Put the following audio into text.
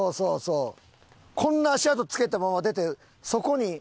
こんな足跡つけたまま出てそこに。